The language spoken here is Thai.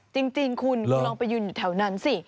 จริงคุณคุณลองไปยืนอยู่แถวนั้นสิ